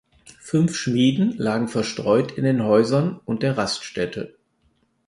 Fünf Schmieden lagen verstreut in den Häusern und der Raststätte.